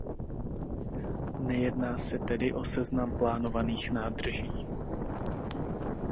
Nejedná se tedy o seznam plánovaných nádrží.